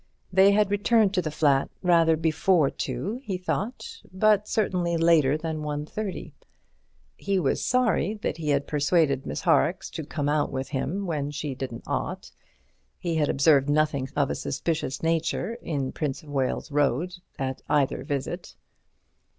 They had returned to the flat rather before two, he thought, but certainly later than 1:30. He was sorry that he had persuaded Miss Horrocks to come out with him when she didn't ought. He had observed nothing of a suspicious nature in Prince of Wales Road at either visit.